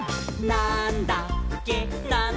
なんだっけ？！」